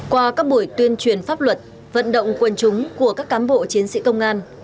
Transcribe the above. qua các buổi tuyên truyền pháp luật vận động quân chúng của các cám bộ chiến sĩ công an